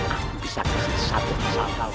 aku bisa kasih satu kesalahan